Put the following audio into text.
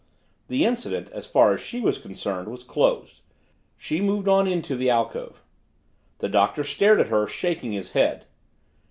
The incident, as far as she was concerned, was closed. She moved on into the alcove. The Doctor stared at her, shaking his head.